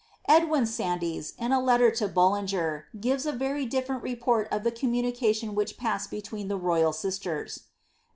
Eld win Sandys, in a letter to Bullinger, gives a very different report of the communication which passed between the royal sisters.